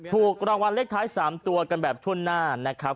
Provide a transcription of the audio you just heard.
ถูกรางวัลเลขท้าย๓ตัวกันแบบทั่วหน้านะครับ